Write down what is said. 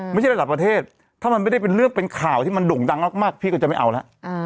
ไม่ใช่ระดับประเทศถ้ามันไม่ได้เป็นเรื่องเป็นข่าวที่มันด่งดังมากพี่ก็จะไม่เอาแล้ว